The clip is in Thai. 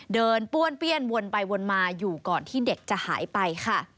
ป้วนเปี้ยนวนไปวนมาอยู่ก่อนที่เด็กจะหายไปค่ะ